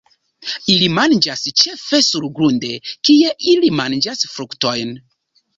Ili manĝas ĉefe surgrunde, kie ili manĝas fruktojn.